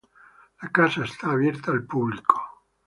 La casa está abierta al público.